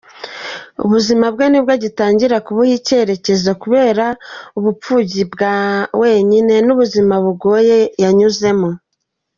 Ubuzima bwe nibwo agitangira kubuha icyerekezo kubera ubupfubyi bwa wenyine n’ubuzima bugoye yanyuzemo.